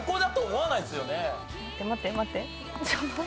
待って待って。